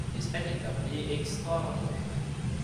L'Espagne est un pays extraordinaire